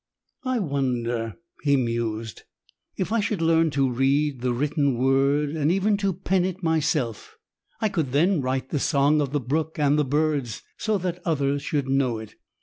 "I wonder," he mused, "if I shall learn to read the written word and even to pen it myself. I could then write the song of the brook and the birds, so that others should know it."